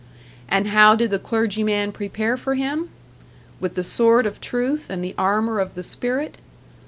And how did the clergyman prepare for him? With the sword of truth and the armor of the spirit?